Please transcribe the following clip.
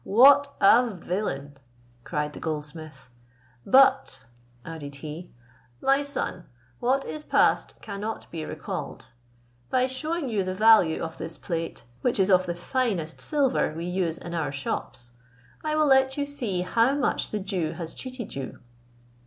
"What a villain!" cried the goldsmith; "but," added he, "my son, what is passed cannot be recalled. By shewing you the value of this plate, which is of the finest silver we use in our shops, I will let you see how much the Jew has cheated you."